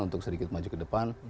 untuk sedikit maju ke depan